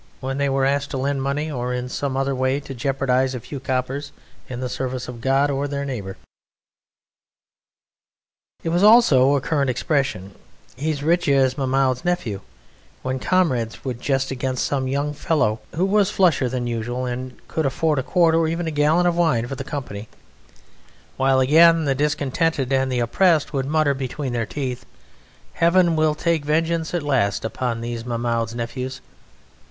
when they were asked to lend money or in some other way to jeopardize a few coppers in the service of God or their neighbour. It was also a current expression, "He's rich as Mahmoud's Nephew," when comrades would jest against some young fellow who was flusher than usual, and could afford a quart or even a gallon of wine for the company; while again the discontented and the oppressed would mutter between their teeth: "Heaven will take vengeance at last upon these Mahmoud's Nephews!"